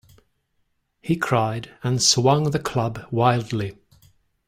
He cried, and swung the club wildly.